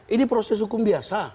ini proses hukum biasa